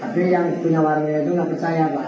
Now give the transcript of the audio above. tapi yang punya warga itu nggak percaya pak